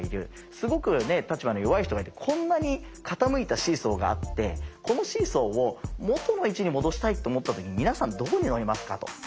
すごく立場の弱い人がいてこんなに傾いたシーソーがあってこのシーソーを元の位置に戻したいと思った時に皆さんどこに乗りますかと。